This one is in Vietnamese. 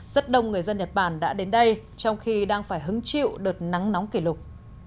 rất đông người dân nhật bản đã đến đây trong khi đang phải hứng chịu đợt nắng nóng kỷ lục